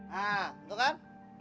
hah tuh kan